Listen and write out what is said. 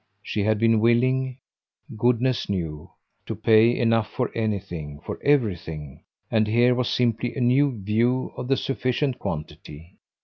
She had been willing, goodness knew, to pay enough for anything, for everything, and here was simply a new view of the sufficient quantity.